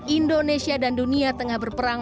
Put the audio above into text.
indonesia dan dunia tengah berperang